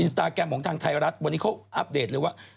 สตาแกรมของทางไทยรัฐวันนี้เขาอัปเดตเลยว่า